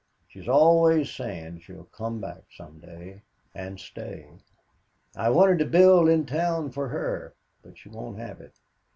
She is always saying she'll come back some day and stay. I wanted to build in town for her but she won't have it.